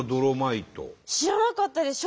知らなかったです。